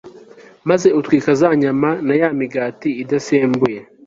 maze utwika za nyama na ya migati idasembuye